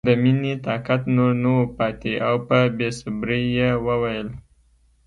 د مینې طاقت نور نه و پاتې او په بې صبرۍ یې وویل